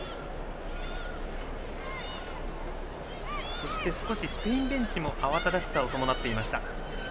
そして、スペインベンチも慌しさを伴っていました。